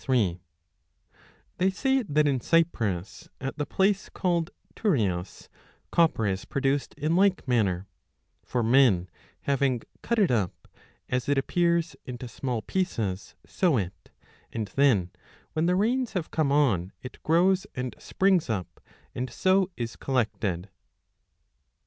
833 b DE MIRABILIBUS They say that in Cyprus, at the place called Tyrrhias, 1 43 copper is produced in like manner ; for men having cut it up, as it appears, into small pieces, sow it, and then, when the rains have come on, it grows and springs up, and so is collected.